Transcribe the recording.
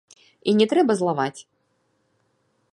І не трэба злаваць.